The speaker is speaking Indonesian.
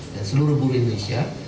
dan seluruh buru indonesia